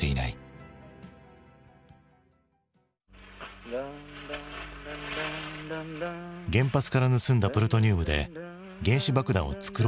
原発から盗んだプルトニウムで原子爆弾を作ろうとする主人公。